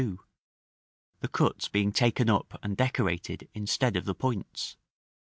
2, the cuts being taken up and decorated instead of the points.